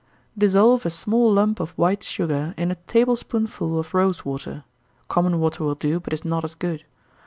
_ Dissolve a small lump of white sugar in a table spoonful of rosewater, (common water will do, but is not as good.)